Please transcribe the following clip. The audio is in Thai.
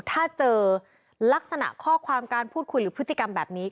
ถ้าเจอลักษณะข้อความการพูดคุยหรือพฤติกรรมแบบนี้